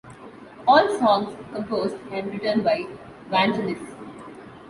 All songs composed and written by Vangelis.